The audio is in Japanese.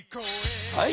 はい。